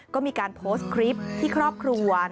ก็มีการโพสต์คลิปที่ครอบครัว